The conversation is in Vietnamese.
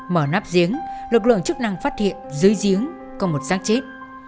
mở nắp giếng lực lượng chức năng phát hiện dưới giếng có một sát chết